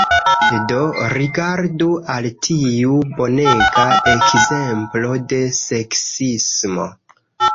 Do, rigardu al tiu bonega ekzemplo de seksismo